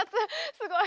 すごい。